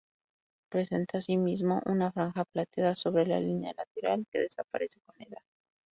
Presenta asimismo, una franja plateada sobre la línea lateral, que desaparece con la edad.